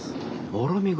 もろみ蔵。